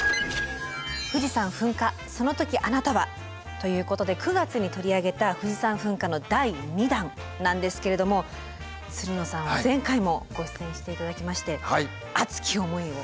ということで９月に取り上げた富士山噴火の第２弾なんですけれどもつるのさんは前回もご出演して頂きまして熱き思いを。